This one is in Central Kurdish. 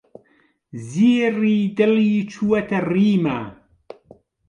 زیری دڵی چووەتە ڕیما.